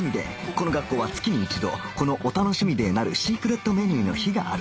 この学校は月に１度このお楽しみデーなるシークレットメニューの日がある